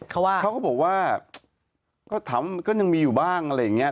เขาก็บอกว่าก็ถามก็ยังมีอยู่บ้างอะไรอย่างนี้